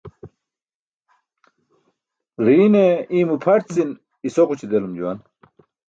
Ġiine iymo pʰarcin isoġuc̣i delum juwan.